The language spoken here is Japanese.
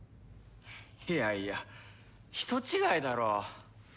いやいや人違いだろ。